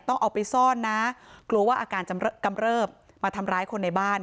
ต้องเอาไปซ่อนนะกลัวว่าอาการจะกำเริบมาทำร้ายคนในบ้าน